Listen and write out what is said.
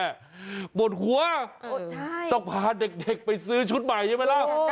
หมดหัวต้องพาเด็กไปซื้อชุดใหม่ใช่ไหมล่ะ